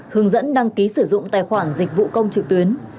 hướng dẫn đăng ký sử dụng tài khoản dịch vụ công trực tuyến